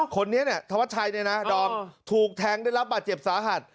คนนี้เนี่ยธวัดชัยเนี่ยนะดอมถูกแทงได้รับบาดเจ็บสาหัส